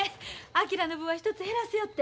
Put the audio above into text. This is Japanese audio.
昭の分は１つ減らすよって。